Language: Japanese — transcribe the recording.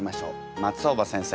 松尾葉先生